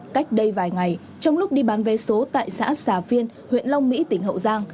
cách đây vài ngày trong lúc đi bán vé số tại xã xà phiên huyện long mỹ tỉnh hậu giang